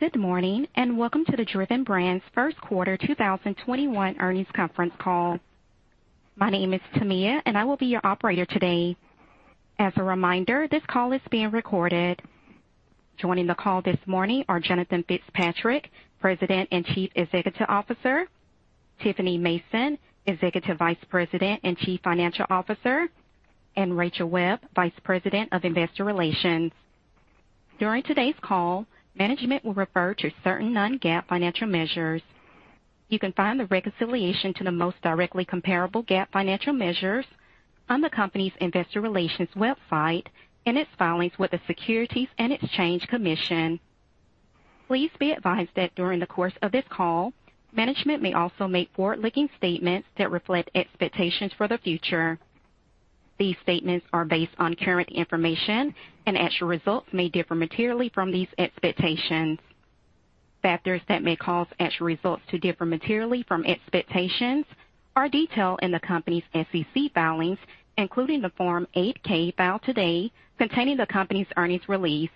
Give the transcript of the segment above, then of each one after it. Good morning, and welcome to the Driven Brands first quarter 2021 earnings conference call. My name is Tamia, and I will be your operator today. As a reminder, this call is being recorded. Joining the call this morning are Jonathan Fitzpatrick, President and Chief Executive Officer, Tiffany Mason, Executive Vice President and Chief Financial Officer, Rachel Webb, Vice President of Investor Relations. During today's call, management will refer to certain non-GAAP financial measures. You can find the reconciliation to the most directly comparable GAAP financial measures on the company's investor relations website in its filings with the Securities and Exchange Commission. Please be advised that during the course of this call, management may also make forward-looking statements that reflect expectations for the future. These statements are based on current information and actual results may differ materially from these expectations. Factors that may cause actual results to differ materially from expectations are detailed in the company's SEC filings, including the Form 8-K filed today containing the company's earnings release.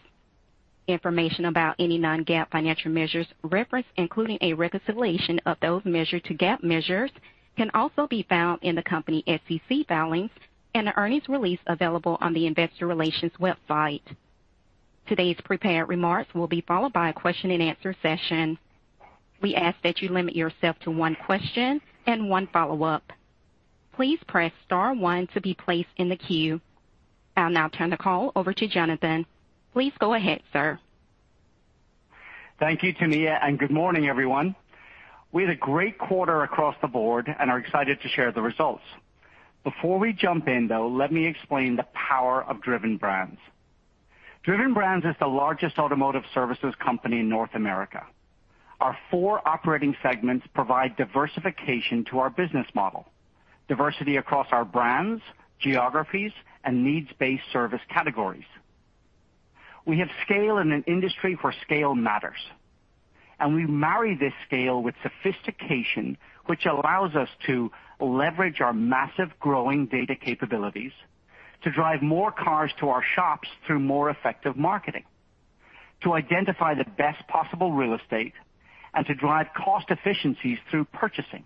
Information about any non-GAAP financial measures referenced, including a reconciliation of those measures to GAAP measures, can also be found in the company SEC filings and the earnings release available on the investor relations website. Today's prepared remarks will be followed by a question-and-answer session. We ask that you limit yourself to one question and one follow-up. Please press star one to be placed in the queue. I'll now turn the call over to Jonathan. Please go ahead, sir. Thank you, Tamia, and good morning, everyone. We had a great quarter across the board and are excited to share the results. Before we jump in, though, let me explain the power of Driven Brands. Driven Brands is the largest automotive services company in North America. Our four operating segments provide diversification to our business model, diversity across our brands, geographies, and needs-based service categories. We have scale in an industry where scale matters, and we marry this scale with sophistication, which allows us to leverage our massive growing data capabilities to drive more cars to our shops through more effective marketing, to identify the best possible real estate, and to drive cost efficiencies through purchasing.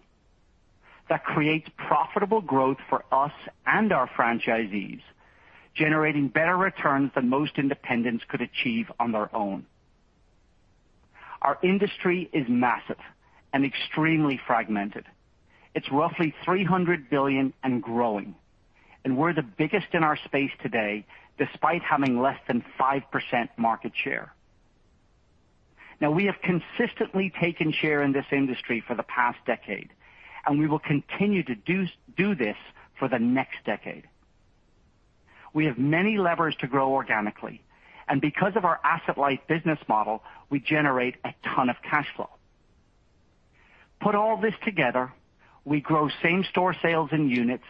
That creates profitable growth for us and our franchisees, generating better returns than most independents could achieve on their own. Our industry is massive and extremely fragmented. It's roughly $300 billion and growing, we're the biggest in our space today, despite having less than 5% market share. We have consistently taken share in this industry for the past decade, we will continue to do this for the next decade. We have many levers to grow organically, because of our asset-light business model, we generate a ton of cash flow. Put all this together, we grow same-store sales in units,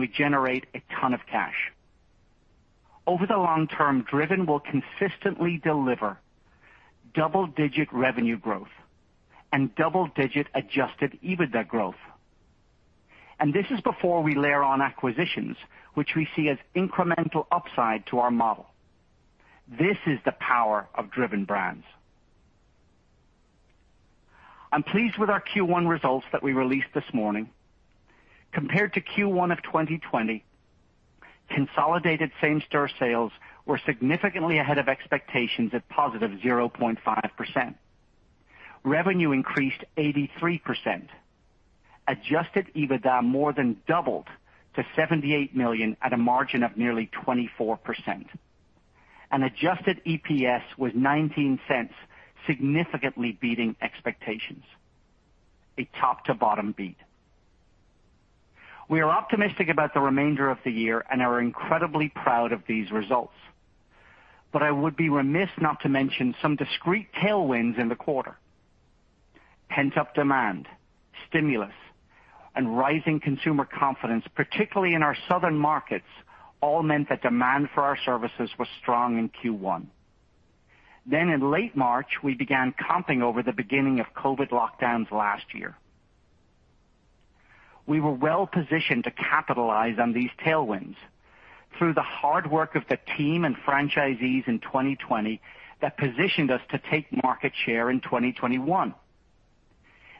we generate a ton of cash. Over the long-term, Driven will consistently deliver double-digit revenue growth and double-digit adjusted EBITDA growth. This is before we layer on acquisitions, which we see as incremental upside to our model. This is the power of Driven Brands. I'm pleased with our Q1 results that we released this morning. Compared to Q1 of 2020, consolidated same-store sales were significantly ahead of expectations at positive 0.5%. Revenue increased 83%. Adjusted EBITDA more than doubled to $78 million at a margin of nearly 24%. Adjusted EPS was $0.19, significantly beating expectations. A top to bottom beat. We are optimistic about the remainder of the year and are incredibly proud of these results, but I would be remiss not to mention some discrete tailwinds in the quarter. Pent-up demand, stimulus, and rising consumer confidence, particularly in our southern markets, all meant that demand for our services was strong in Q1. In late March, we began comping over the beginning of COVID lockdowns last year. We were well positioned to capitalize on these tailwinds through the hard work of the team and franchisees in 2020 that positioned us to take market share in 2021.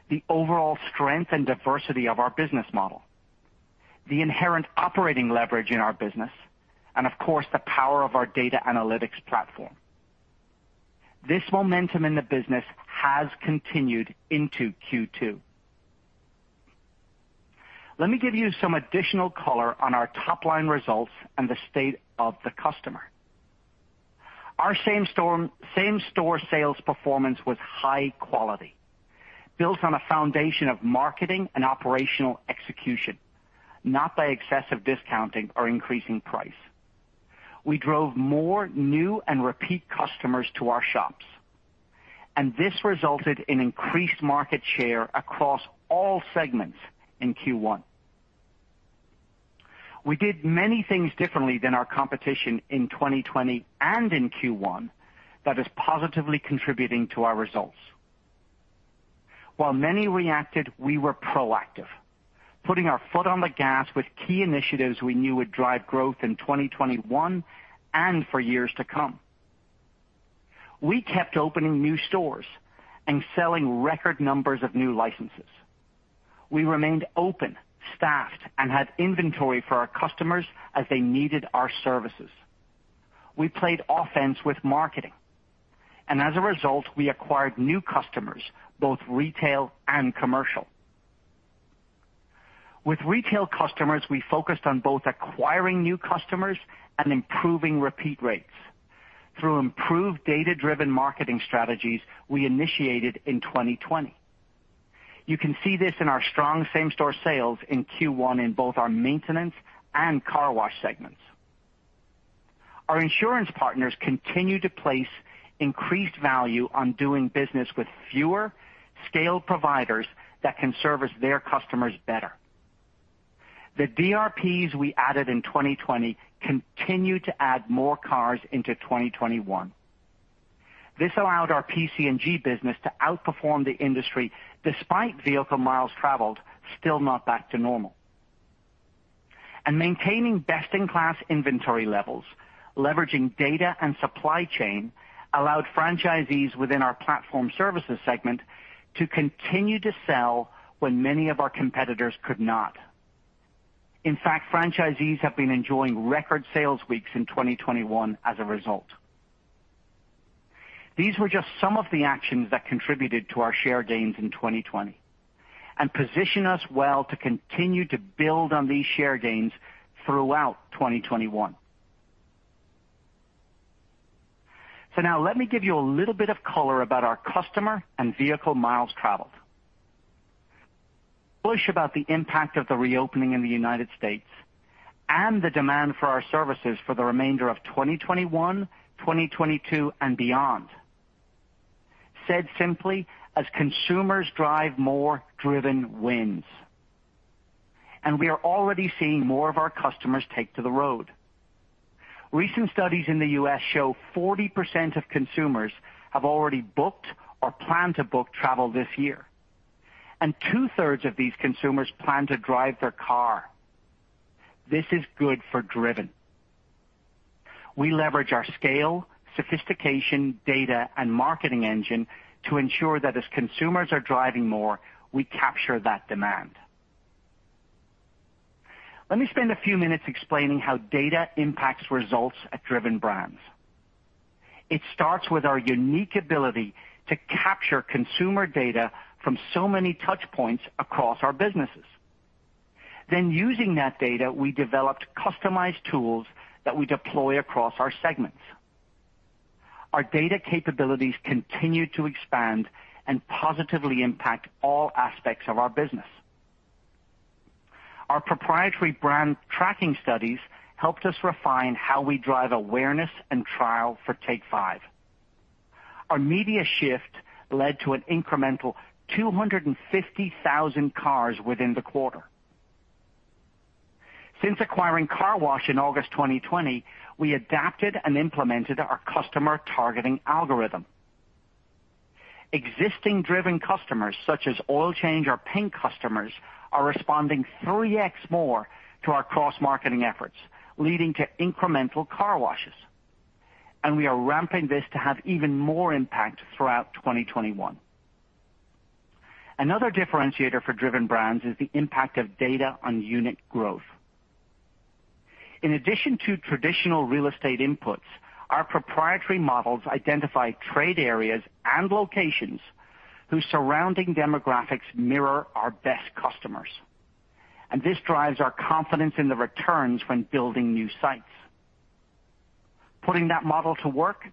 The overall strength and diversity of our business model, the inherent operating leverage in our business, and of course, the power of our data analytics platform. This momentum in the business has continued into Q2. Let me give you some additional color on our top-line results and the state of the customer. Our same-store sales performance was high quality, built on a foundation of marketing and operational execution, not by excessive discounting or increasing price. We drove more new and repeat customers to our shops, and this resulted in increased market share across all segments in Q1. We did many things differently than our competition in 2020 and in Q1 that is positively contributing to our results. While many reacted, we were proactive, putting our foot on the gas with key initiatives we knew would drive growth in 2021 and for years to come. We kept opening new stores and selling record numbers of new licenses. We remained open, staffed, and had inventory for our customers as they needed our services. We played offense with marketing, and as a result, we acquired new customers, both retail and commercial. With retail customers, we focused on both acquiring new customers and improving repeat rates through improved data-driven marketing strategies we initiated in 2020. You can see this in our strong same-store sales in Q1 in both our maintenance and car wash segments. Our insurance partners continue to place increased value on doing business with fewer scaled providers that can service their customers better. The DRPs we added in 2020 continue to add more cars into 2021. This allowed our PC&G business to outperform the industry, despite vehicle miles traveled still not back to normal. Maintaining best-in-class inventory levels, leveraging data and supply chain, allowed franchisees within our platform services segment to continue to sell when many of our competitors could not. In fact, franchisees have been enjoying record sales weeks in 2021 as a result. These were just some of the actions that contributed to our share gains in 2020 and position us well to continue to build on these share gains throughout 2021. Now let me give you a little bit of color about our customer and vehicle miles traveled. Push about the impact of the reopening in the United States and the demand for our services for the remainder of 2021, 2022, and beyond. Said simply, as consumers drive more, Driven wins. We are already seeing more of our customers take to the road. Recent studies in the U.S. show 40% of consumers have already booked or plan to book travel this year, and two-thirds of these consumers plan to drive their car. This is good for Driven. We leverage our scale, sophistication, data, and marketing engine to ensure that as consumers are driving more, we capture that demand. Let me spend a few minutes explaining how data impacts results at Driven Brands. It starts with our unique ability to capture consumer data from so many touchpoints across our businesses. Using that data, we developed customized tools that we deploy across our segments. Our data capabilities continue to expand and positively impact all aspects of our business. Our proprietary brand tracking studies helped us refine how we drive awareness and trial for Take 5. Our media shift led to an incremental 250,000 cars within the quarter. Since acquiring Car Wash in August 2020, we adapted and implemented our customer targeting algorithm. Existing Driven customers, such as oil change or paint customers, are responding 3x more to our cross-marketing efforts, leading to incremental car washes. We are ramping this to have even more impact throughout 2021. Another differentiator for Driven Brands is the impact of data on unit growth. In addition to traditional real estate inputs, our proprietary models identify trade areas and locations whose surrounding demographics mirror our best customers. This drives our confidence in the returns when building new sites. Putting that model to work,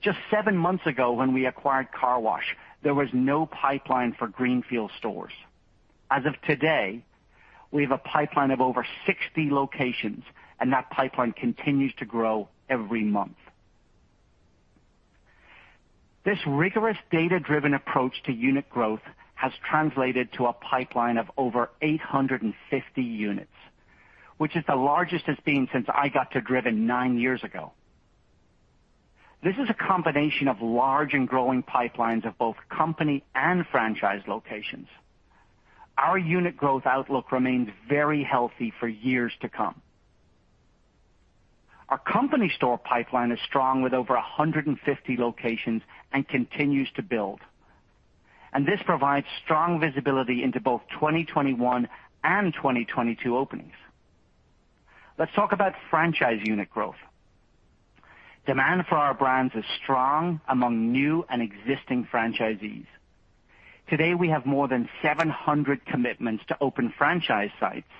just seven months ago, when we acquired Car Wash, there was no pipeline for greenfield stores. As of today, we have a pipeline of over 60 locations, and that pipeline continues to grow every month. This rigorous data-driven approach to unit growth has translated to a pipeline of over 850 units, which is the largest it's been since I got to Driven nine years ago. This is a combination of large and growing pipelines of both company and franchise locations. Our unit growth outlook remains very healthy for years to come. Our company store pipeline is strong with over 150 locations and continues to build. This provides strong visibility into both 2021 and 2022 openings. Let's talk about franchise unit growth. Demand for our brands is strong among new and existing franchisees. Today, we have more than 700 commitments to open franchise sites,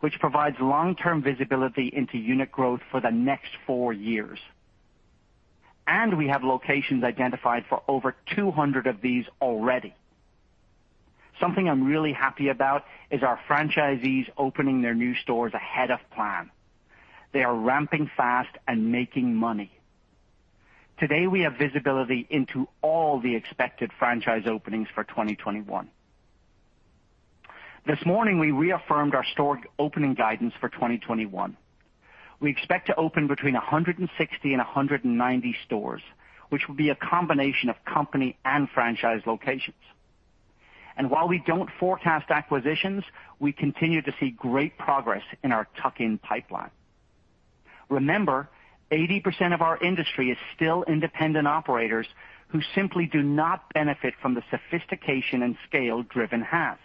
which provides long-term visibility into unit growth for the next four years. We have locations identified for over 200 of these already. Something I'm really happy about is our franchisees opening their new stores ahead of plan. They are ramping fast and making money. Today, we have visibility into all the expected franchise openings for 2021. This morning, we reaffirmed our store opening guidance for 2021. We expect to open between 160 and 190 stores, which will be a combination of company and franchise locations. While we don't forecast acquisitions, we continue to see great progress in our tuck-in pipeline. Remember, 80% of our industry is still independent operators who simply do not benefit from the sophistication and scale Driven has.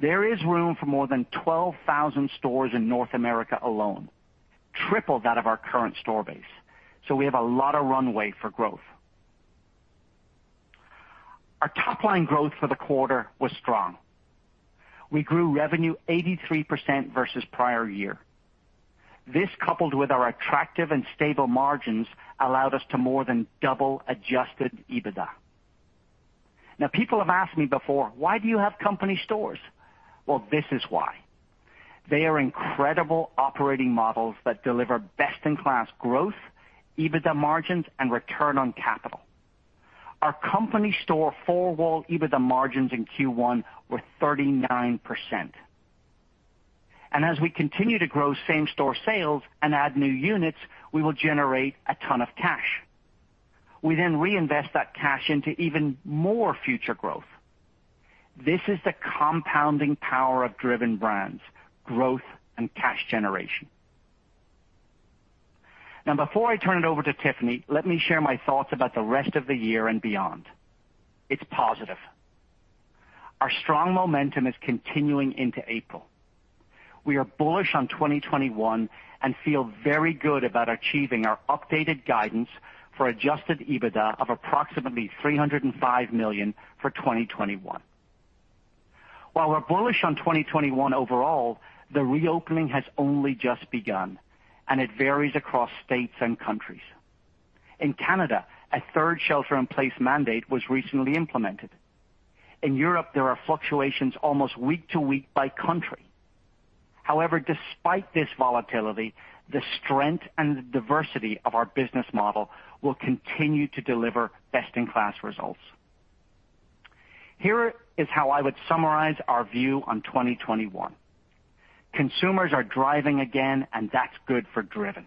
There is room for more than 12,000 stores in North America alone, triple that of our current store base. We have a lot of runway for growth. Our top-line growth for the quarter was strong. We grew revenue 83% versus the prior year. This, coupled with our attractive and stable margins, allowed us to more than double adjusted EBITDA. Now, people have asked me before, Why do you have company stores? Well, this is why. They are incredible operating models that deliver best-in-class growth, EBITDA margins, and return on capital. Our company store four-wall EBITDA margins in Q1 were 39%. As we continue to grow same-store sales and add new units, we will generate a ton of cash. We then reinvest that cash into even more future growth. This is the compounding power of Driven Brands: growth and cash generation. Now, before I turn it over to Tiffany, let me share my thoughts about the rest of the year and beyond. It's positive. Our strong momentum is continuing into April. We are bullish on 2021 and feel very good about achieving our updated guidance for adjusted EBITDA of approximately $305 million for 2021. While we're bullish on 2021 overall, the reopening has only just begun, and it varies across states and countries. In Canada, a third shelter-in-place mandate was recently implemented. In Europe, there are fluctuations almost week to week by country. However, despite this volatility, the strength and the diversity of our business model will continue to deliver best-in-class results. Here is how I would summarize our view on 2021. Consumers are driving again, and that's good for Driven.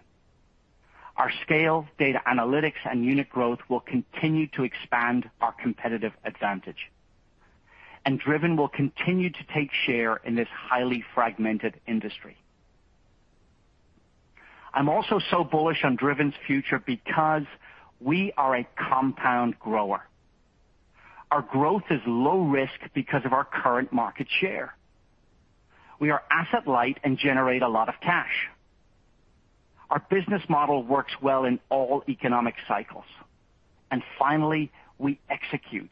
Our scale, data analytics, and unit growth will continue to expand our competitive advantage. Driven will continue to take share in this highly fragmented industry. I'm also so bullish on Driven's future because we are a compound grower. Our growth is low risk because of our current market share. We are asset-light and generate a lot of cash. Our business model works well in all economic cycles. Finally, we execute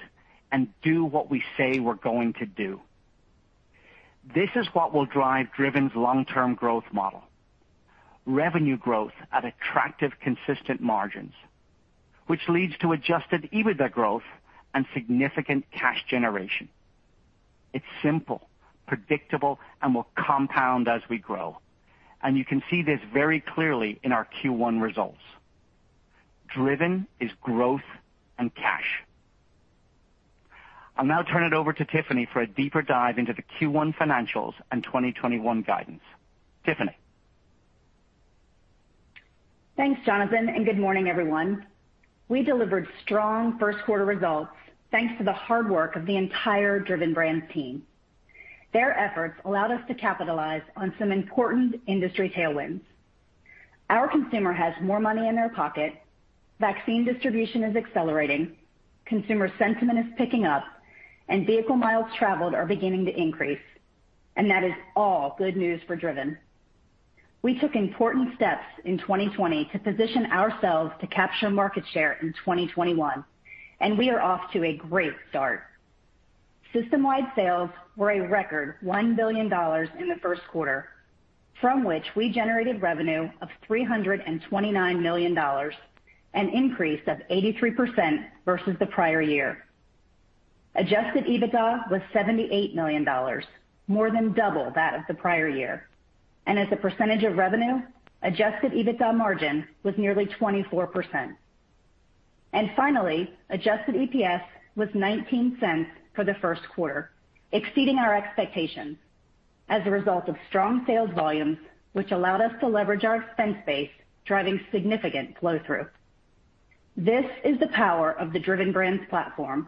and do what we say we're going to do. This is what will drive Driven's long-term growth model. Revenue growth at attractive, consistent margins, which leads to adjusted EBITDA growth and significant cash generation. It's simple, predictable, and will compound as we grow. You can see this very clearly in our Q1 results. Driven is growth and cash. I'll now turn it over to Tiffany for a deeper dive into the Q1 financials and 2021 guidance. Tiffany? Thanks, Jonathan, and good morning, everyone. We delivered strong first quarter results thanks to the hard work of the entire Driven Brands team. Their efforts allowed us to capitalize on some important industry tailwinds. Our consumer has more money in their pocket, vaccine distribution is accelerating, consumer sentiment is picking up, and vehicle miles traveled are beginning to increase. That is all good news for Driven. We took important steps in 2020 to position ourselves to capture market share in 2021, and we are off to a great start. System-wide sales were a record $1 billion in the first quarter, from which we generated revenue of $329 million, an increase of 83% versus the prior year. Adjusted EBITDA was $78 million, more than double that of the prior year. As a percentage of revenue, adjusted EBITDA margin was nearly 24%. Finally, adjusted EPS was $0.19 for the first quarter, exceeding our expectations as a result of strong sales volumes, which allowed us to leverage our expense base, driving significant flow-through. This is the power of the Driven Brands platform,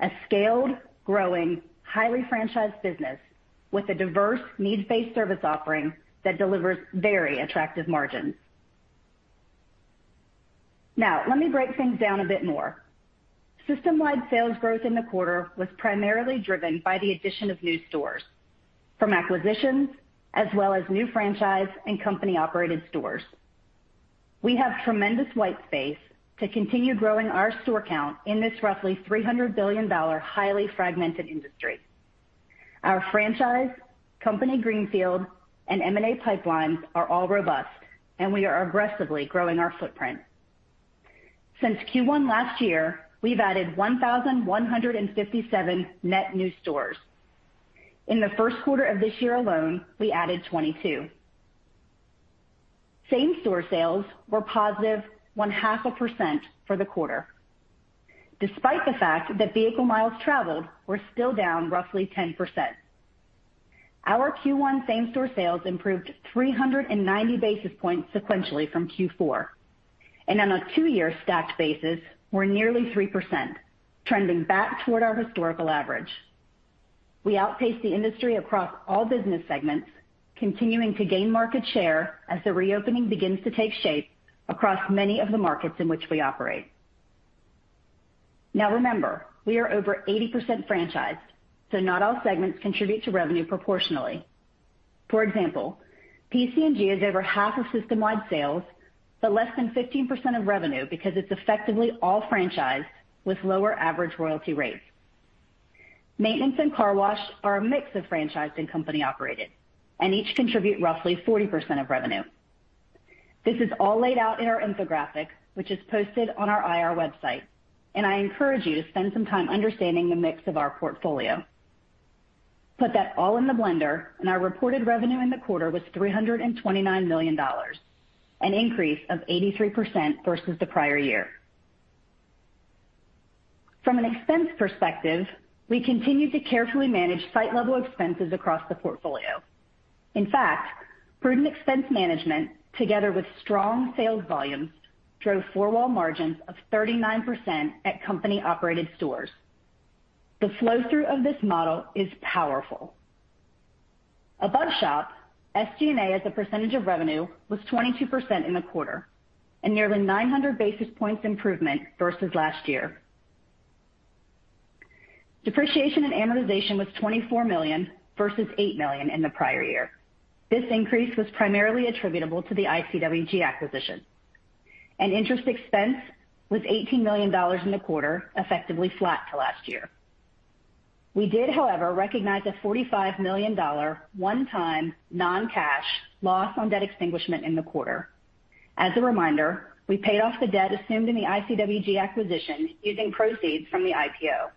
a scaled, growing, highly franchised business with a diverse needs-based service offering that delivers very attractive margins. Let me break things down a bit more. System-wide sales growth in the quarter was primarily driven by the addition of new stores from acquisitions as well as new franchise and company-operated stores. We have tremendous white space to continue growing our store count in this roughly $300 billion highly fragmented industry. Our franchise, company greenfield, and M&A pipelines are all robust, and we are aggressively growing our footprint. Since Q1 last year, we've added 1,157 net new stores. In the first quarter of this year alone, we added 22. Same-store sales were positive 0.5% for the quarter, despite the fact that vehicle miles traveled were still down roughly 10%. Our Q1 same-store sales improved 390 basis points sequentially from Q4, and on a two-year stacked basis were nearly 3%, trending back toward our historical average. We outpaced the industry across all business segments, continuing to gain market share as the reopening begins to take shape across many of the markets in which we operate. Remember, we are over 80% franchised, so not all segments contribute to revenue proportionally. For example, PC&G is over half of system-wide sales, but less than 15% of revenue because it's effectively all franchised with lower average royalty rates. Maintenance and Car Wash are a mix of franchised and company-operated, and each contribute roughly 40% of revenue. This is all laid out in our infographic, which is posted on our IR website. I encourage you to spend some time understanding the mix of our portfolio. Put that all in the blender, our reported revenue in the quarter was $329 million, an increase of 83% versus the prior year. From an expense perspective, we continued to carefully manage site-level expenses across the portfolio. In fact, prudent expense management, together with strong sales volumes, drove four-wall margins of 39% at company-operated stores. The flow-through of this model is powerful. Above shop, SG&A as a percentage of revenue was 22% in the quarter, a nearly 900 basis points improvement versus last year. Depreciation and amortization was $24 million versus $8 million in the prior year. This increase was primarily attributable to the ICWG acquisition. Interest expense was $18 million in the quarter, effectively flat to last year. We did, however, recognize a $45 million one-time non-cash loss on debt extinguishment in the quarter. As a reminder, we paid off the debt assumed in the ICWG acquisition using proceeds from the IPO.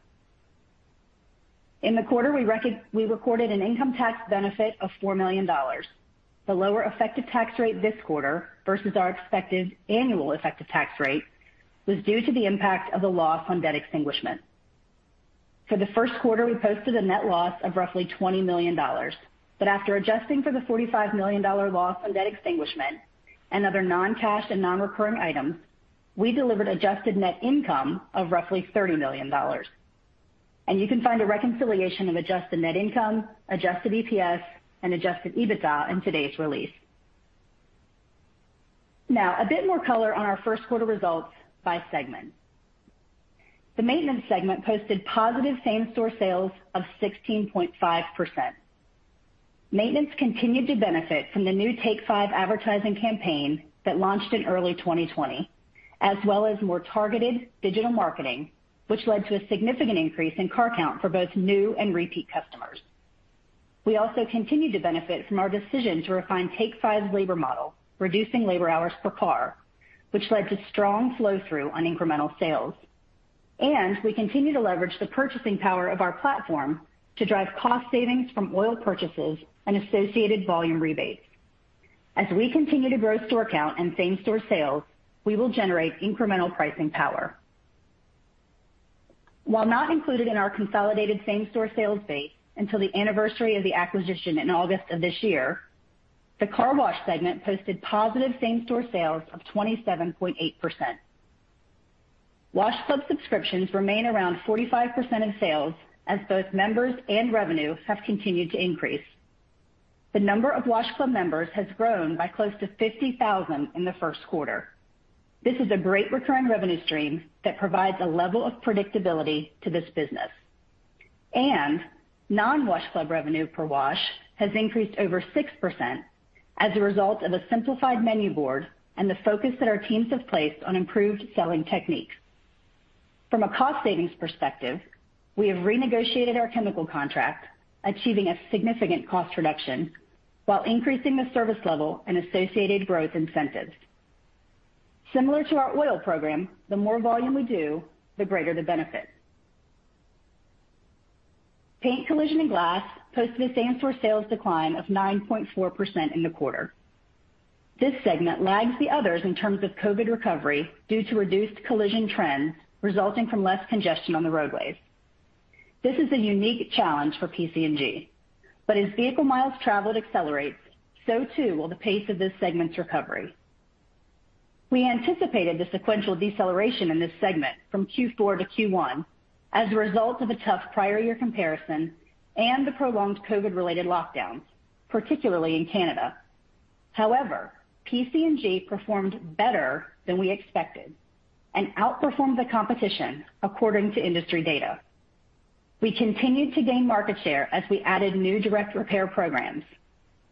In the quarter, we recorded an income tax benefit of $4 million. The lower effective tax rate this quarter versus our expected annual effective tax rate was due to the impact of the loss on debt extinguishment. For the first quarter, we posted a net loss of roughly $20 million. After adjusting for the $45 million loss on debt extinguishment and other non-cash and non-recurring items, we delivered adjusted net income of roughly $30 million. You can find a reconciliation of adjusted net income, adjusted EPS, and adjusted EBITDA in today's release. Now, a bit more color on our first quarter results by segment. The Maintenance segment posted positive same-store sales of 16.5%. Maintenance continued to benefit from the new Take 5 advertising campaign that launched in early 2020, as well as more targeted digital marketing, which led to a significant increase in car count for both new and repeat customers. We also continued to benefit from our decision to refine Take 5's labor model, reducing labor hours per car, which led to strong flow-through on incremental sales. We continue to leverage the purchasing power of our platform to drive cost savings from oil purchases and associated volume rebates. As we continue to grow store count and same-store sales, we will generate incremental pricing power. While not included in our consolidated same-store sales base until the anniversary of the acquisition in August of this year, the car wash segment posted positive same-store sales of 27.8%. Wash Club subscriptions remain around 45% of sales as both members and revenue have continued to increase. The number of Wash Club members has grown by close to 50,000 in the first quarter. This is a great recurring revenue stream that provides a level of predictability to this business. Non-Wash Club revenue per wash has increased over 6% as a result of a simplified menu board and the focus that our teams have placed on improved selling techniques. From a cost savings perspective, we have renegotiated our chemical contract, achieving a significant cost reduction while increasing the service level and associated growth incentives. Similar to our oil program, the more volume we do, the greater the benefit. Paint, collision, and glass posted a same-store sales decline of 9.4% in the quarter. This segment lags the others in terms of COVID recovery due to reduced collision trends resulting from less congestion on the roadways. This is a unique challenge for PC&G. As vehicle miles traveled accelerates, so too will the pace of this segment's recovery. We anticipated the sequential deceleration in this segment from Q4 to Q1 as a result of a tough prior year comparison and the prolonged COVID-related lockdowns, particularly in Canada. PC&G performed better than we expected and outperformed the competition according to industry data. We continued to gain market share as we added new direct repair programs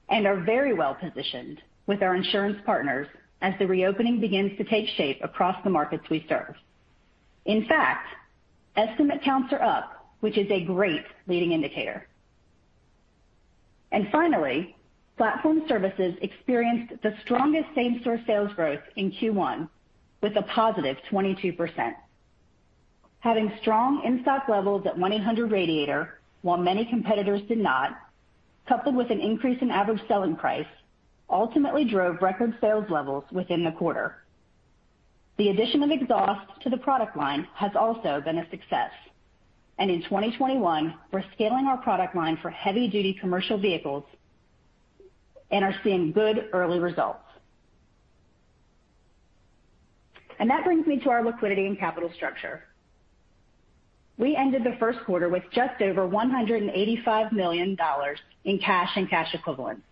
and are very well positioned with our insurance partners as the reopening begins to take shape across the markets we serve. Estimate counts are up, which is a great leading indicator. Finally, platform services experienced the strongest same-store sales growth in Q1 with a positive 22%. Having strong in-stock levels at 1-800-Radiator while many competitors did not, coupled with an increase in average selling price, ultimately drove record sales levels within the quarter. The addition of exhaust to the product line has also been a success. In 2021, we're scaling our product line for heavy-duty commercial vehicles and are seeing good early results. That brings me to our liquidity and capital structure. We ended the first quarter with just over $185 million in cash and cash equivalents,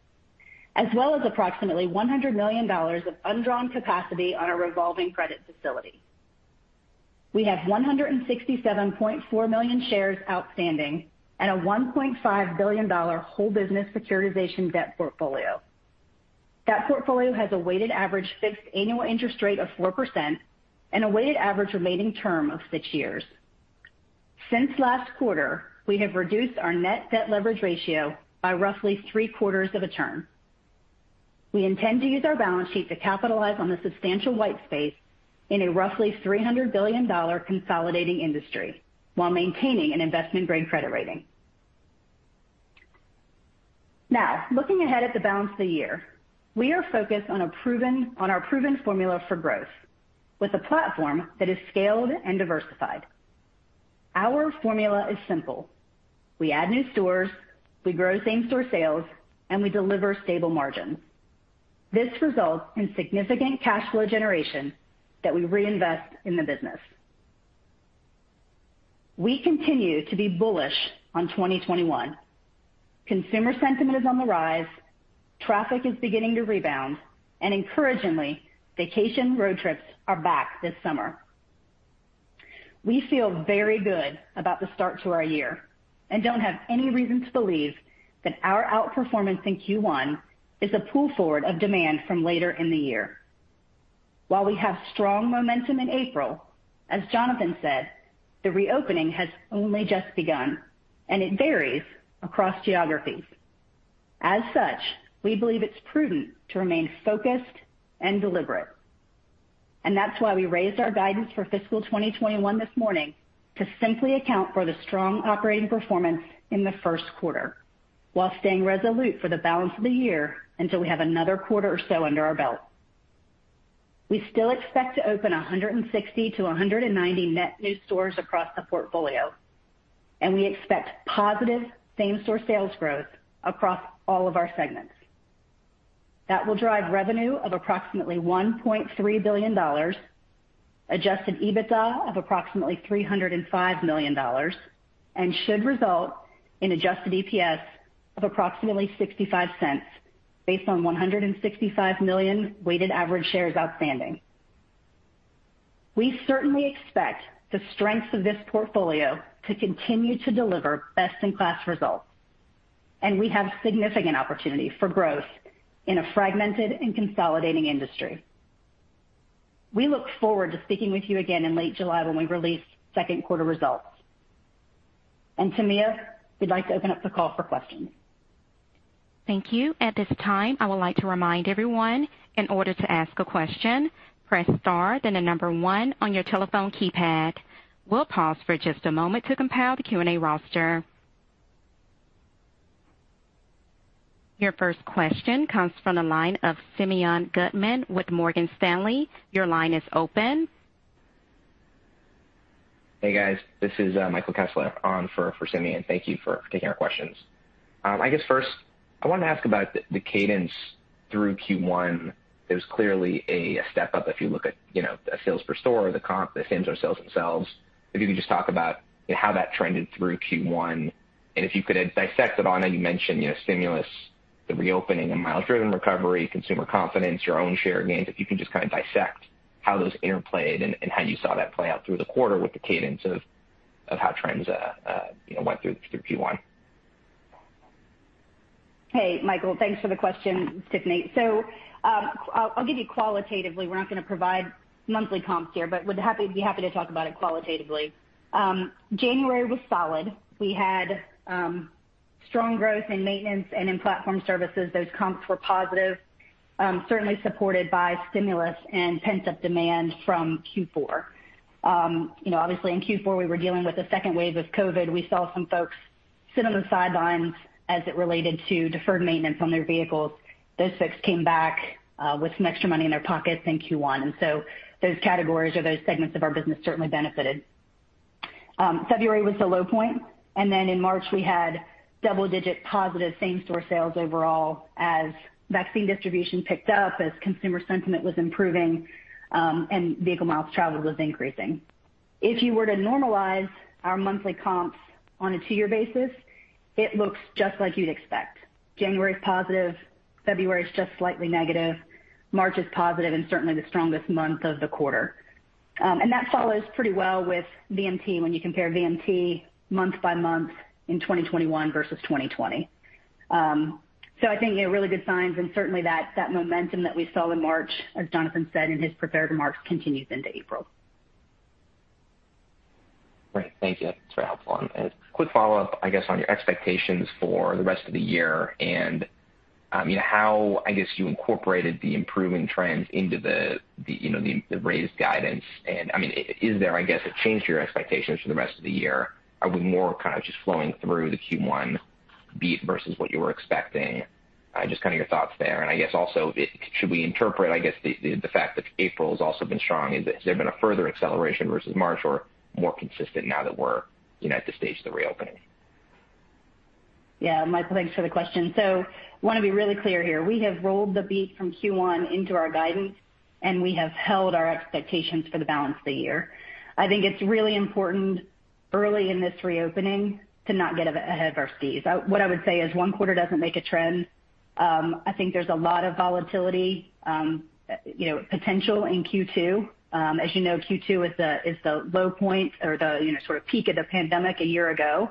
as well as approximately $100 million of undrawn capacity on our revolving credit facility. We have 167.4 million shares outstanding and a $1.5 billion whole business securitization debt portfolio. That portfolio has a weighted average fixed annual interest rate of 4% and a weighted average remaining term of six years. Since last quarter, we have reduced our net debt leverage ratio by roughly three-quarters of a term. We intend to use our balance sheet to capitalize on the substantial white space in a roughly $300 billion consolidating industry while maintaining an investment-grade credit rating. Looking ahead at the balance of the year, we are focused on our proven formula for growth with a platform that is scaled and diversified. Our formula is simple. We add new stores, we grow same-store sales, and we deliver stable margins. This results in significant cash flow generation that we reinvest in the business. We continue to be bullish on 2021. Consumer sentiment is on the rise, traffic is beginning to rebound, encouragingly, vacation road trips are back this summer. We feel very good about the start to our year and don't have any reason to believe that our outperformance in Q1 is a pull forward of demand from later in the year. While we have strong momentum in April, as Jonathan said, the reopening has only just begun, and it varies across geographies. As such, we believe it's prudent to remain focused and deliberate. That's why we raised our guidance for fiscal 2021 this morning to simply account for the strong operating performance in the first quarter while staying resolute for the balance of the year until we have another quarter or so under our belt. We still expect to open 160-190 net new stores across the portfolio, and we expect positive same-store sales growth across all of our segments. That will drive revenue of approximately $1.3 billion, adjusted EBITDA of approximately $305 million, and should result in adjusted EPS of approximately $0.65 based on 165 million weighted average shares outstanding. We certainly expect the strengths of this portfolio to continue to deliver best-in-class results, and we have significant opportunity for growth in a fragmented and consolidating industry. We look forward to speaking with you again in late July when we release second quarter results. Tamia, we'd like to open up the call for questions. Thank you. At this time, I would like to remind everyone, in order to ask a question, press star then the number one on your telephone keypad. We'll pause for just a moment to compile the Q&A roster. Your first question comes from the line of Simeon Gutman with Morgan Stanley. Hey, guys. This is Michael Kessler on for Simeon. Thank you for taking our questions. I guess first I wanted to ask about the cadence through Q1. It was clearly a step up if you look at sales per store or the comp, the same-store sales themselves. If you could just talk about how that trended through Q1, and if you could dissect it on, I know you mentioned stimulus, the reopening and mile-driven recovery, consumer confidence, your own share gains. If you can just kind of dissect how those interplayed and how you saw that play out through the quarter with the cadence of how trends went through Q1. Hey, Michael. Thanks for the question. It's Tiffany. I'll give you qualitatively. We're not going to provide monthly comps here, but would be happy to talk about it qualitatively. January was solid. We had strong growth in Maintenance and in Platform Services. Those comps were positive, certainly supported by stimulus and pent-up demand from Q4. Obviously, in Q4, we were dealing with a second wave of COVID. We saw some folks sit on the sidelines as it related to deferred maintenance on their vehicles. Those folks came back with some extra money in their pockets in Q1. Those categories or those segments of our business certainly benefited. February was the low point, and then in March, we had double-digit positive same-store sales overall as vaccine distribution picked up, as consumer sentiment was improving, and vehicle miles traveled was increasing. If you were to normalize our monthly comps on a two-year basis, it looks just like you'd expect. January's positive, February is just slightly negative, March is positive and certainly the strongest month of the quarter. That follows pretty well with VMT when you compare VMT month by month in 2021 versus 2020. I think, yeah, really good signs and certainly that momentum that we saw in March, as Jonathan said in his prepared remarks, continues into April. Great. Thank you. That's very helpful. Quick follow-up, I guess, on your expectations for the rest of the year and how, I guess, you incorporated the improving trends into the raised guidance, and is there, I guess, a change to your expectations for the rest of the year? Are we more kind of just flowing through the Q1 beat versus what you were expecting? Just kind of your thoughts there. I guess also, should we interpret the fact that April has also been strong? Has there been a further acceleration versus March or more consistent now that we're at the stage of the reopening? Yeah. Michael, thanks for the question. Want to be really clear here. We have rolled the beat from Q1 into our guidance, and we have held our expectations for the balance of the year. I think it's really important early in this reopening to not get ahead of ourselves. What I would say is one quarter doesn't make a trend. I think there's a lot of volatility potential in Q2. As you know, Q2 is the low point or the sort of peak of the pandemic a year ago.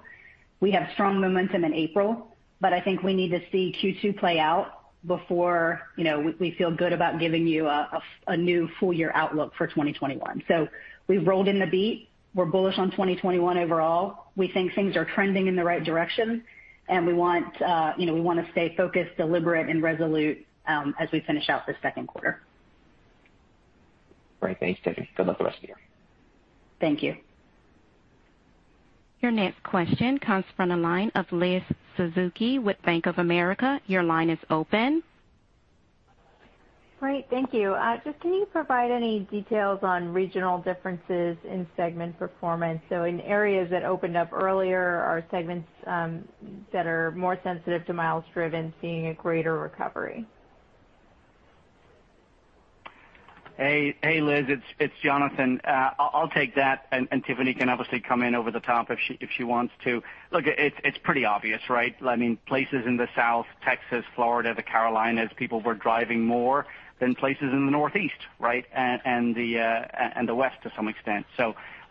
We have strong momentum in April, but I think we need to see Q2 play out before we feel good about giving you a new full-year outlook for 2021. We've rolled in the beat. We're bullish on 2021 overall. We think things are trending in the right direction, and we want to stay focused, deliberate, and resolute as we finish out this second quarter. Great. Thanks, Tiffany. Good luck the rest of the year. Thank you. Your next question comes from the line of Liz Suzuki with Bank of America. Your line is open. Great. Thank you. Just can you provide any details on regional differences in segment performance? In areas that opened up earlier, are segments that are more sensitive to miles driven seeing a greater recovery? Hey, Liz, it's Jonathan. I'll take that, and Tiffany can obviously come in over the top if she wants to. Look, it's pretty obvious, right? Places in the South, Texas, Florida, the Carolinas, people were driving more than places in the Northeast, right? The West to some extent.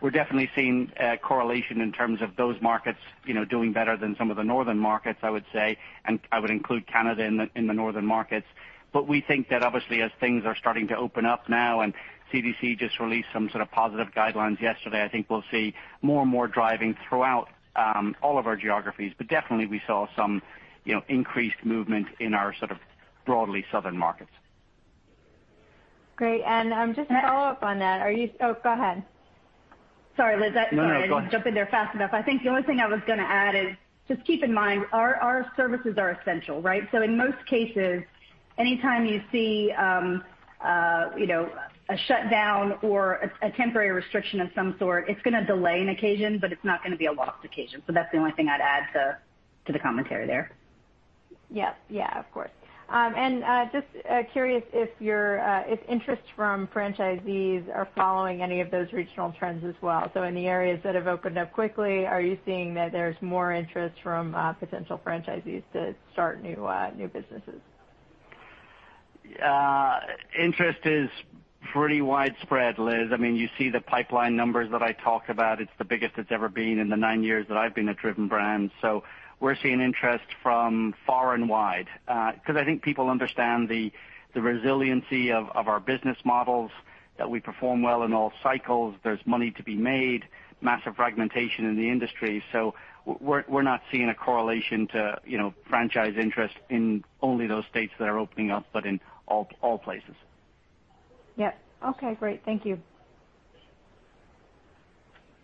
We're definitely seeing a correlation in terms of those markets doing better than some of the Northern markets, I would say, and I would include Canada in the Northern markets. We think that obviously as things are starting to open up now, and CDC just released some sort of positive guidelines yesterday, I think we'll see more and more driving throughout all of our geographies. Definitely we saw some increased movement in our sort of broadly southern markets. Great. Just to follow up on that. Oh, go ahead. Sorry, Liz. No, go ahead. I didn't jump in there fast enough. I think the only thing I was going to add is just keep in mind, our services are essential, right? In most cases, anytime you see a shutdown or a temporary restriction of some sort, it's going to delay an occasion, but it's not going to be a lost occasion. That's the only thing I'd add to the commentary there. Yeah. Of course. Just curious if interest from franchisees are following any of those regional trends as well. In the areas that have opened up quickly, are you seeing that there's more interest from potential franchisees to start new businesses? Interest is pretty widespread, Liz. You see the pipeline numbers that I talked about. It's the biggest it's ever been in the nine years that I've been at Driven Brands. We're seeing interest from far and wide because I think people understand the resiliency of our business models, that we perform well in all cycles. There's money to be made, massive fragmentation in the industry. We're not seeing a correlation to franchise interest in only those states that are opening up, but in all places. Yeah. Okay, great. Thank you.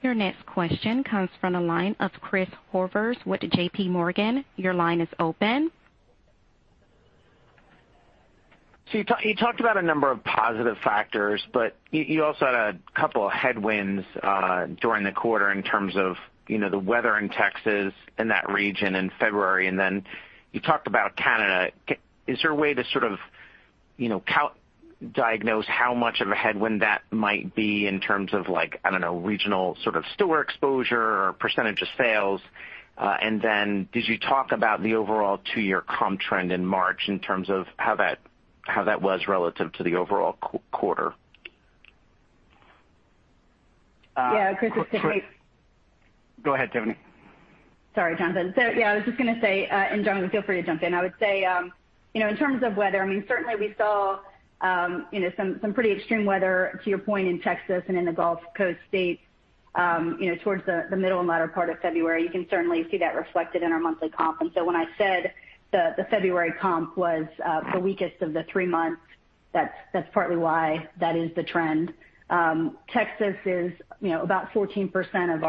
Your next question comes from the line of Chris Horvers with JPMorgan. Your line is open. You talked about a number of positive factors, but you also had a couple of headwinds during the quarter in terms of the weather in Texas and that region in February, and then you talked about Canada. Is there a way to sort of diagnose how much of a headwind that might be in terms of like, I don't know, regional sort of store exposure or percentage of sales? Did you talk about the overall two-year comp trend in March in terms of how that was relative to the overall quarter? Yeah, Chris, it's Tiffany. Go ahead, Tiffany. Sorry, Jonathan. Yeah, I was just going to say, and Jonathan, feel free to jump in. I would say, in terms of weather, certainly we saw some pretty extreme weather, to your point, in Texas and in the Gulf Coast states towards the middle and latter part of February. You can certainly see that reflected in our monthly comp. When I said the February comp was the weakest of the three months, that's partly why that is the trend. Texas is about 14% of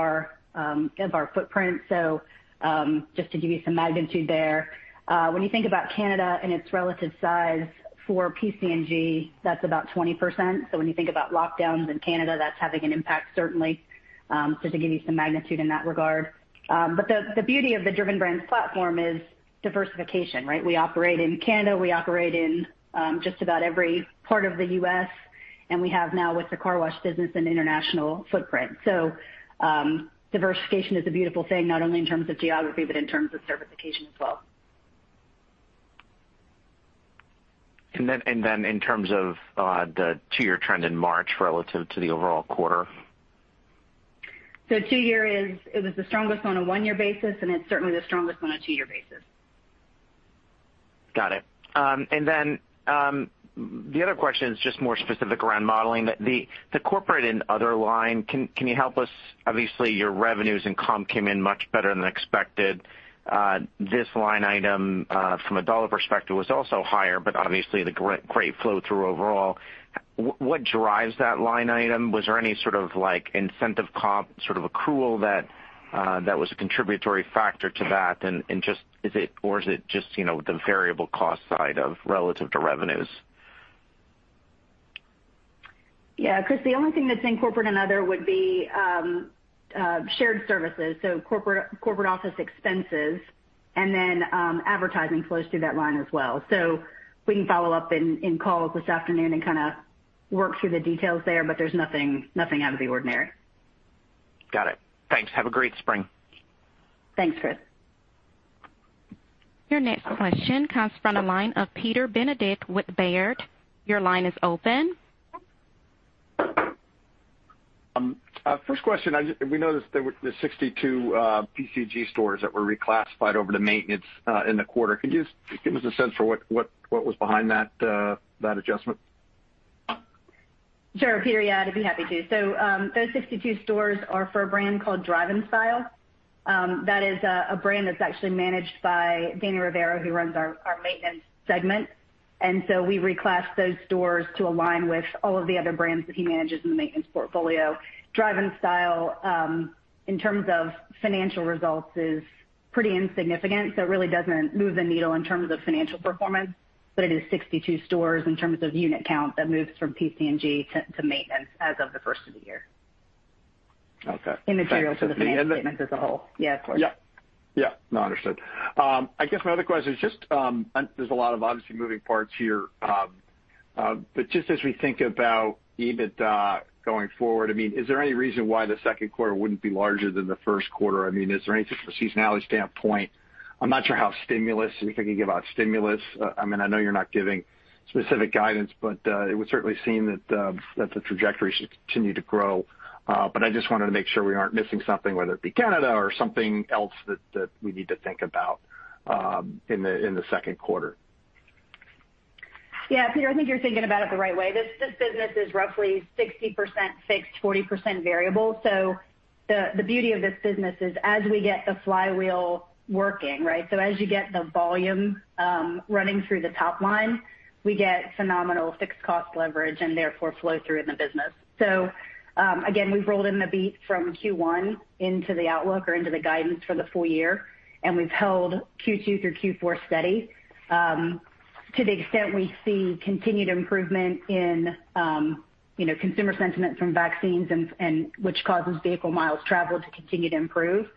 our footprint. Just to give you some magnitude there. When you think about Canada and its relative size for PC&G, that's about 20%. When you think about lockdowns in Canada, that's having an impact certainly. Just to give you some magnitude in that regard. The beauty of the Driven Brands platform is diversification, right? We operate in Canada. We operate in just about every part of the U.S., and we have now with the car wash business, an international footprint. Diversification is a beautiful thing, not only in terms of geography, but in terms of service diversification as well. In terms of the two-year trend in March relative to the overall quarter. Two year is, it was the strongest on a one-year basis, and it's certainly the strongest on a two-year basis. Got it. The other question is just more specific around modeling. The corporate and other line, can you help us? Obviously, your revenues and comp came in much better than expected. This line item, from a dollar perspective, was also higher, but obviously the great flow-through overall. What drives that line item? Was there any sort of incentive comp accrual that was a contributory factor to that, or is it just the variable cost side of relative to revenues? Yeah, Chris, the only thing that's in corporate and other would be shared services, so corporate office expenses, and then advertising flows through that line as well. We can follow-up in calls this afternoon and kind of work through the details there, but there's nothing out of the ordinary. Got it. Thanks. Have a great spring. Thanks, Chris. Your next question comes from the line of Peter Benedict with Baird. Your line is open. First question, we noticed there were the 62 PC&G stores that were reclassified over to Maintenance in the quarter. Can you give us a sense for what was behind that adjustment? Sure, Peter, yeah, I'd be happy to. Those 62 stores are for a brand called Drive N Style. That is a brand that's actually managed by Danny Rivera, who runs our maintenance segment. We reclassed those stores to align with all of the other brands that he manages in the maintenance portfolio. Drive N Style, in terms of financial results, is pretty insignificant, so it really doesn't move the needle in terms of financial performance, but it is 62 stores in terms of unit count that moves from PC&G to maintenance as of the first of the year. Okay. Immaterial to the financial statements as a whole. Yeah, of course. Yeah. No, understood. I guess my other question is just, there's a lot of obviously moving parts here. Just as we think about EBITDA going forward, is there any reason why the second quarter wouldn't be larger than the first quarter? Is there any sort of seasonality standpoint? I'm not sure how stimulus, if we could give out stimulus. I know you're not giving specific guidance, but it would certainly seem that the trajectory should continue to grow. I just wanted to make sure we aren't missing something, whether it be Canada or something else that we need to think about in the second quarter. Yeah, Peter, I think you're thinking about it the right way. This business is roughly 60% fixed, 40% variable. The beauty of this business is as we get the flywheel working, right? As you get the volume running through the top line, we get phenomenal fixed cost leverage and therefore flow through in the business. Again, we've rolled in the beat from Q1 into the outlook or into the guidance for the full-year, and we've held Q2 through Q4 steady. To the extent we see continued improvement in consumer sentiment from vaccines, which causes vehicle miles traveled to continue to improve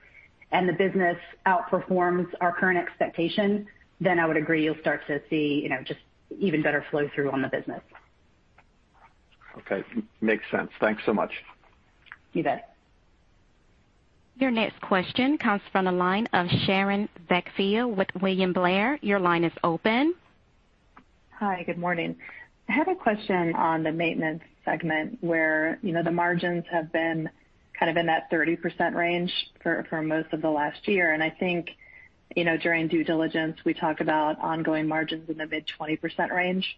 and the business outperforms our current expectations, I would agree you'll start to see just even better flow-through on the business. Okay. Makes sense. Thanks so much. You bet. Your next question comes from the line of Sharon Zackfia with William Blair. Your line is open. Hi, good morning. I have a question on the Maintenance segment where the margins have been kind of in that 30% range for most of the last year. I think, during due diligence, we talk about ongoing margins in the mid-20% range.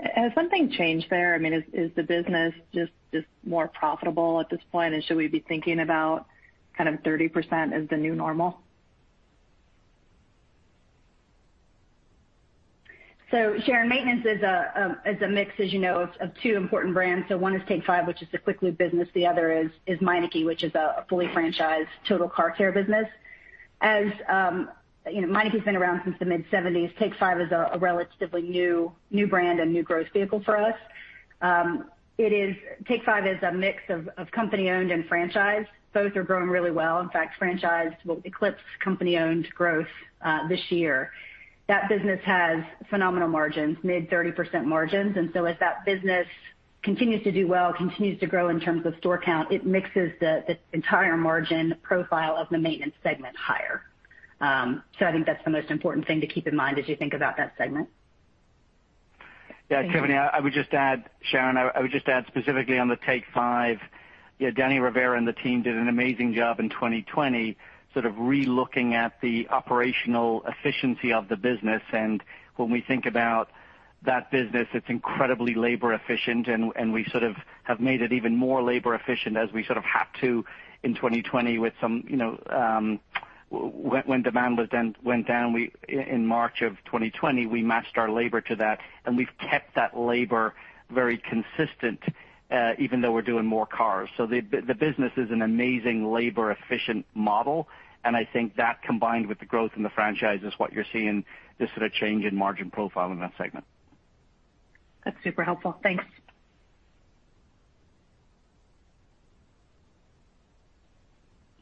Has something changed there? Is the business just more profitable at this point, and should we be thinking about kind of 30% as the new normal? Sharon, maintenance is a mix, as you know, of two important brands. One is Take 5, which is the quick lube business. The other is Meineke, which is a fully franchised total car care business. Meineke's been around since the mid-1970s. Take 5 is a relatively new brand and new growth vehicle for us. Take 5 is a mix of company-owned and franchised. Both are growing really well. In fact, franchised will eclipse company-owned growth this year. That business has phenomenal margins, mid-30% margins. As that business continues to do well, continues to grow in terms of store count, it mixes the entire margin profile of the maintenance segment higher. I think that's the most important thing to keep in mind as you think about that segment. Yeah, Sharon, I would just add specifically on the Take 5, Danny Rivera and the team did an amazing job in 2020 sort of re-looking at the operational efficiency of the business. When we think about that business, it's incredibly labor efficient, and we sort of have made it even more labor efficient as we sort of have to in 2020 when demand went down in March of 2020. We matched our labor to that, and we've kept that labor very consistent even though we're doing more cars. The business is an amazing labor-efficient model, and I think that combined with the growth in the franchise is what you're seeing this sort of change in margin profile in that segment. That's super helpful. Thanks.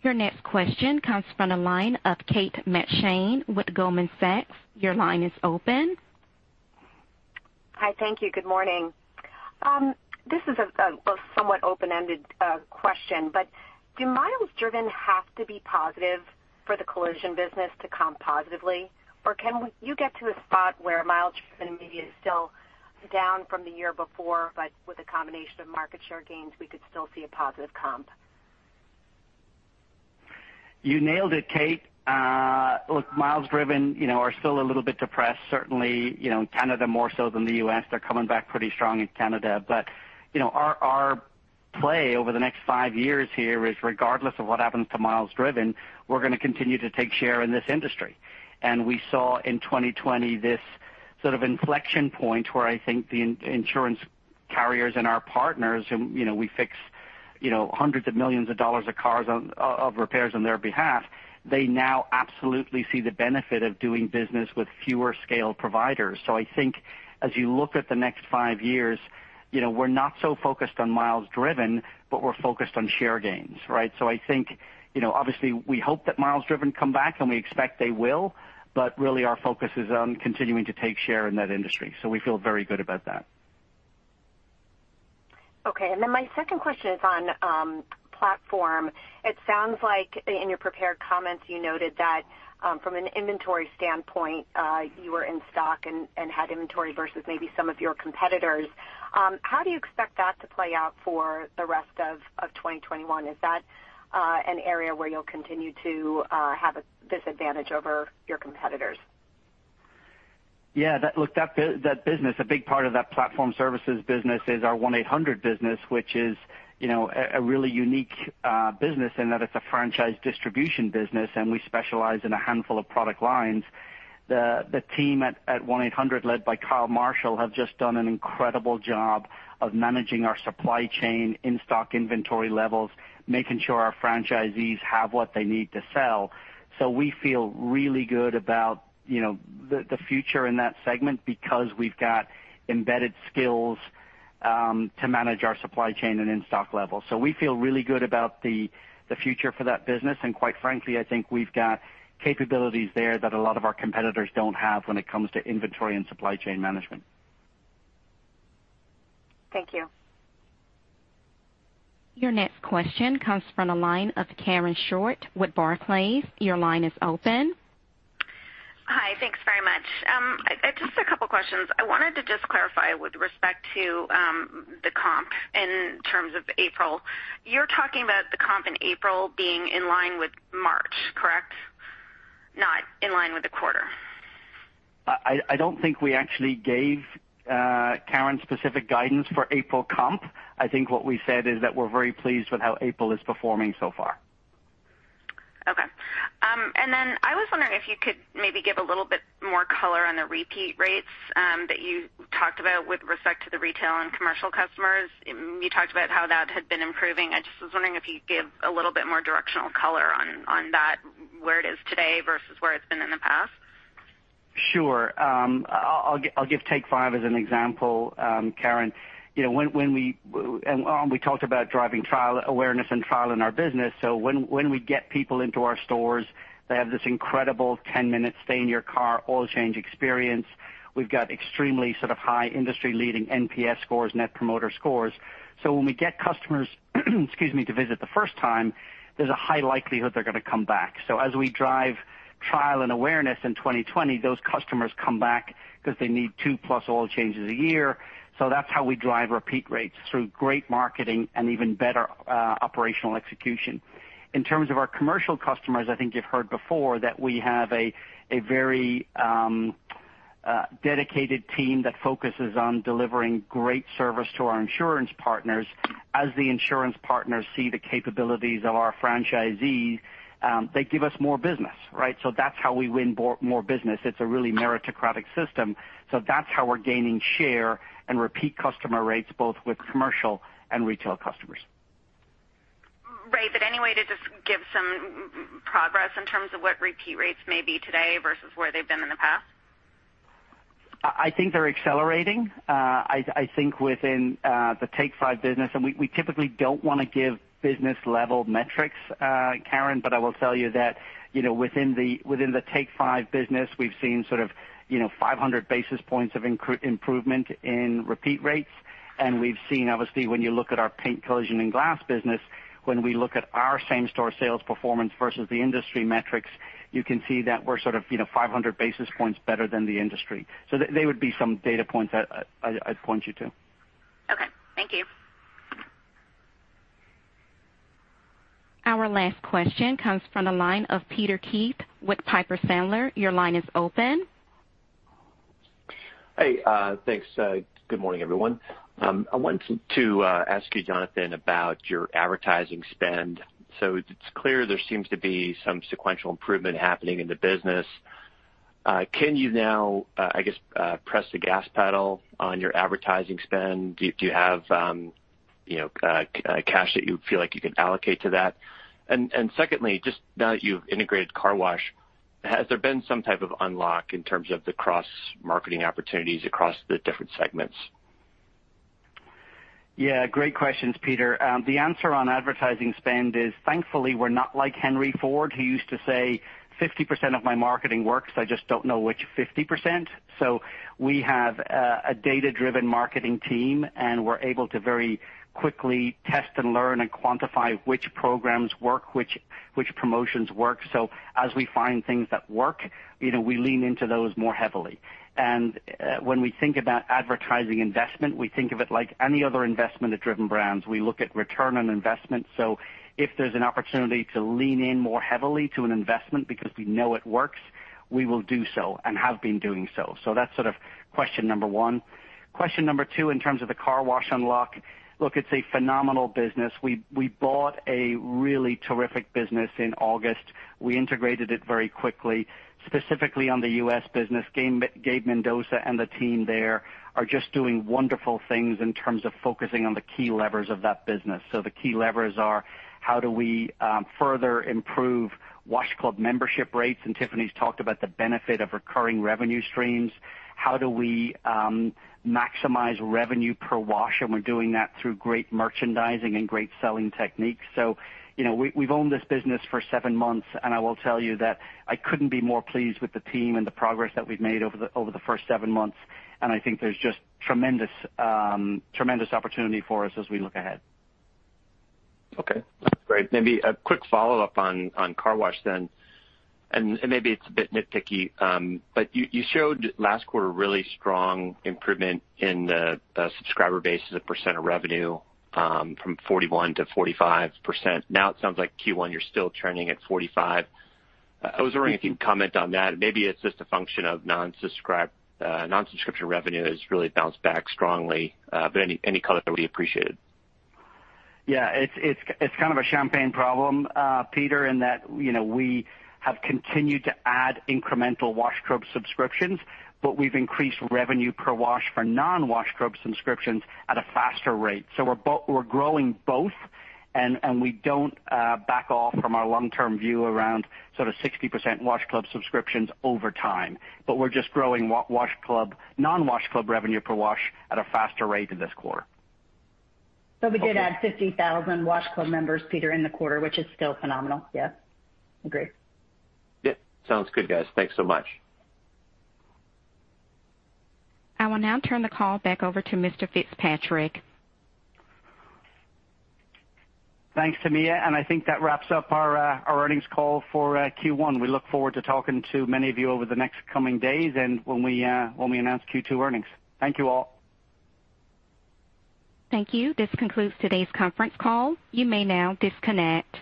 Your next question comes from the line of Kate McShane with Goldman Sachs. Your line is open. Hi. Thank you. Good morning. This is a somewhat open-ended question, do miles driven have to be positive for the collision business to comp positively? Can you get to a spot where miles driven may be still down from the year before, but with a combination of market share gains, we could still see a positive comp? You nailed it, Kate. Look, miles driven are still a little bit depressed, certainly in Canada more so than the U.S. They're coming back pretty strong in Canada. Our play over the next five years here is regardless of what happens to miles driven, we're going to continue to take share in this industry. We saw in 2020 this sort of inflection point where I think the insurance carriers and our partners, we fix hundreds of millions of dollars of cars of repairs on their behalf. They now absolutely see the benefit of doing business with fewer scale providers. I think as you look at the next five years, we're not so focused on miles driven, but we're focused on share gains. Right? I think, obviously, we hope that miles driven come back, and we expect they will, but really our focus is on continuing to take share in that industry. We feel very good about that. Okay. My second question is on platform. It sounds like in your prepared comments, you noted that from an inventory standpoint, you were in stock and had inventory versus maybe some of your competitors. How do you expect that to play out for the rest of 2021? Is that an area where you'll continue to have this advantage over your competitors? Yeah, look, a big part of that platform services business is our 1-800 business, which is a really unique business in that it's a franchise distribution business. We specialize in a handful of product lines. The team at 1-800, led by Kyle Marshall, have just done an incredible job of managing our supply chain, in-stock inventory levels, making sure our franchisees have what they need to sell. We feel really good about the future in that segment because we've got embedded skills to manage our supply chain and in-stock levels. We feel really good about the future for that business, and quite frankly, I think we've got capabilities there that a lot of our competitors don't have when it comes to inventory and supply chain management. Thank you. Your next question comes from the line of Karen Short with Barclays. Your line is open. Hi. Thanks very much. Just a couple of questions. I wanted to just clarify with respect to the comp in terms of April. You're talking about the comp in April being in line with March, correct? Not in line with the quarter. I don't think we actually gave Karen specific guidance for April comp. I think what we said is that we're very pleased with how April is performing so far. Okay. I was wondering if you could maybe give a little bit more color on the repeat rates that you talked about with respect to the retail and commercial customers. You talked about how that had been improving. I just was wondering if you'd give a little bit more directional color on that, where it is today versus where it's been in the past. Sure. I'll give Take 5 as an example, Karen. We talked about driving trial awareness and trial in our business. When we get people into our stores, they have this incredible 10-minute stay-in-your-car oil change experience. We've got extremely sort of high industry-leading NPS scores, Net Promoter scores. When we get customers excuse me, to visit the first time, there's a high likelihood they're going to come back. As we drive trial and awareness in 2020, those customers come back because they need two-plus oil changes a year. That's how we drive repeat rates, through great marketing and even better operational execution. In terms of our commercial customers, I think you've heard before that we have a very dedicated team that focuses on delivering great service to our insurance partners. As the insurance partners see the capabilities of our franchisees, they give us more business. That's how we win more business. It's a really meritocratic system. That's how we're gaining share and repeat customer rates, both with commercial and retail customers. Great, any way to just give some progress in terms of what repeat rates may be today versus where they've been in the past? I think they're accelerating. I think within the Take 5 business, and we typically don't want to give business-level metrics, Karen, but I will tell you that within the Take 5 business, we've seen sort of 500 basis points of improvement in repeat rates. We've seen, obviously, when you look at our paint, collision, and glass business, when we look at our same-store sales performance versus the industry metrics, you can see that we're sort of 500 basis points better than the industry. They would be some data points I'd point you to. Okay. Thank you. Our last question comes from the line of Peter Keith with Piper Sandler. Your line is open. Hey, thanks. Good morning, everyone. I wanted to ask you, Jonathan, about your advertising spend. It's clear there seems to be some sequential improvement happening in the business. Can you now, I guess, press the gas pedal on your advertising spend? Do you have cash that you feel like you can allocate to that? Secondly, just now that you've integrated car wash, has there been some type of unlock in terms of the cross-marketing opportunities across the different segments? Yeah. Great questions, Peter. The answer on advertising spend is, thankfully, we're not like Henry Ford, who used to say, 50% of my marketing works. I just don't know which 50%. We have a data-driven marketing team, and we're able to very quickly test and learn and quantify which programs work, which promotions work. As we find things that work, we lean into those more heavily. When we think about advertising investment, we think of it like any other investment at Driven Brands. We look at ROI. If there's an opportunity to lean in more heavily to an investment because we know it works, we will do so and have been doing so. That's sort of question number one. Question number two, in terms of the car wash unlock, look, it's a phenomenal business. We bought a really terrific business in August. We integrated it very quickly, specifically on the U.S. business. Gabe Mendoza and the team there are just doing wonderful things in terms of focusing on the key levers of that business. The key levers are how do we further improve Wash Club membership rates? Tiffany's talked about the benefit of recurring revenue streams. How do we maximize revenue per wash? We're doing that through great merchandising and great selling techniques. We've owned this business for seven months, I will tell you that I couldn't be more pleased with the team and the progress that we've made over the first seven months. I think there's just tremendous opportunity for us as we look ahead. Okay. Great. Maybe a quick follow-up on car wash then, and maybe it's a bit nitpicky. You showed last quarter really strong improvement in the subscriber base as a percent of revenue from 41%-45%. Now it sounds like Q1, you're still trending at 45%. I was wondering if you could comment on that. Maybe it's just a function of non-subscription revenue has really bounced back strongly. Any color there would be appreciated. Yeah, it's kind of a champagne problem, Peter, in that we have continued to add incremental Wash Club subscriptions. We've increased revenue per wash for non-Wash Club subscriptions at a faster rate. We're growing both. We don't back off from our long-term view around sort of 60% Wash Club subscriptions over time. We're just growing non-Wash Club revenue per wash at a faster rate in this quarter. We did add 50,000 Wash Club members, Peter, in the quarter, which is still phenomenal. Yeah. Agree. Yeah. Sounds good, guys. Thanks so much. I will now turn the call back over to Mr. Fitzpatrick. Thanks, Tamia. I think that wraps up our earnings call for Q1. We look forward to talking to many of you over the next coming days and when we announce Q2 earnings. Thank you all. Thank you. This concludes today's conference call. You may now disconnect.